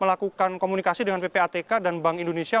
melakukan komunikasi dengan ppatk dan bank indonesia